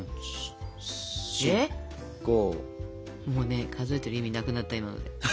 もうね数えている意味なくなった今ので。